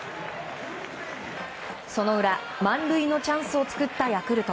その裏、満塁のチャンスを作ったヤクルト。